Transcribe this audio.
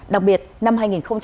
đặc biệt năm hai nghìn hai mươi